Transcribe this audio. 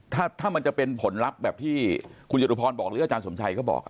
ถ้ามันจะเป็นผลลัพธ์แบบที่คุณจตุพรบอกหรืออาจารย์สมชัยเขาบอก